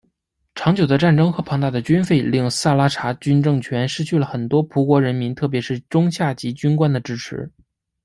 长久的战争和庞大的军费令萨拉查军政权失去了很多葡国人民特别是中下级军官的支持。